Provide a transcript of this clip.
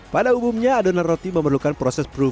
pada umumnya adonan roti memerlukan proses perubahan